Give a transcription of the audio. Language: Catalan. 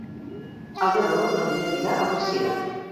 El deu d'agost na Vinyet irà a Garcia.